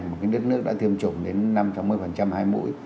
một cái đất nước đã tiêm chủng đến năm trăm một mươi hai mũi